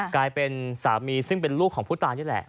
กลายเป็นสามีซึ่งเป็นลูกของผู้ตายนี่แหละ